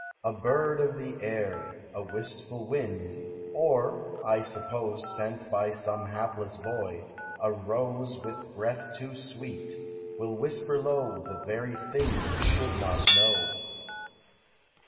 A bird of the air, A wistful wind, or ( I suppose Sent by some hapless boy) a rose With breath too sweet, will whisper low The very thing you should not know!